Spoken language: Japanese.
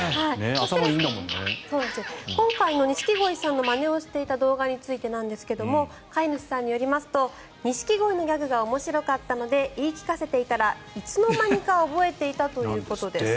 今回の錦鯉の真似をしていた動画についてなんですが飼い主さんによりますと錦鯉のギャグが面白かったので言い聞かせていたらいつの間にか覚えていたということです。